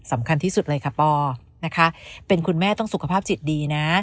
สำคัญที่สุดเลยค่ะปอนะคะเป็นคุณแม่ต้องสุขภาพจิตดีนะ